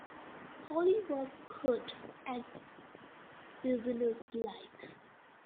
Polly was curt and businesslike.